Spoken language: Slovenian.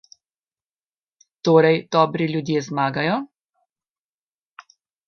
Torej dobri ljudje zmagajo?